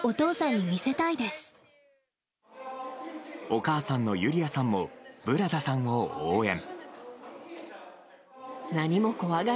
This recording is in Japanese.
お母さんのユリアさんもブラダさんを応援。